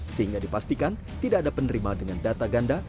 sehingga dipastikan tidak ada penerima dengan data ganda